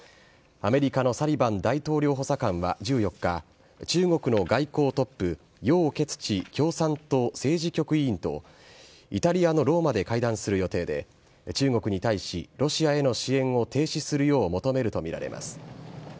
アメリカのサリバン大統領補佐官は１４日、中国の外交トップ、楊潔ち共産党政治局委員と、イタリアのローマで会談する予定で、中国に対し、ロシアへの支援を停止するよう求めると見られます。